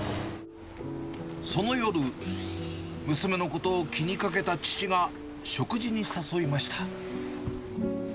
その夜、娘のことを気にかけた父が、食事に誘いました。